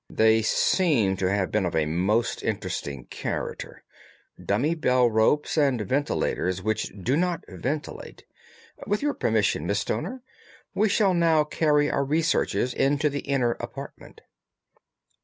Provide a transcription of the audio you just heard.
"They seem to have been of a most interesting character—dummy bell ropes, and ventilators which do not ventilate. With your permission, Miss Stoner, we shall now carry our researches into the inner apartment."